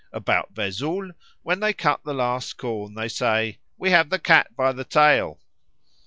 About Vesoul when they cut the last corn they say, "We have the Cat by the tail."